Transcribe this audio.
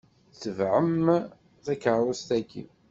Tebɛem takeṛṛust-ayi.